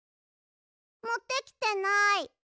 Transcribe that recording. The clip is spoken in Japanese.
もってきてない。